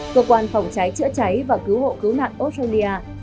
cơ quan phòng cháy chữa cháy và cứu hộ cứu nạn australia